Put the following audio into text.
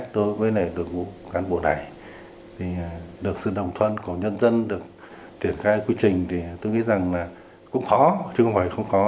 được sự đồng thuận của nhân dân được tiển khai quy trình thì tôi nghĩ rằng là cũng khó chứ không phải không khó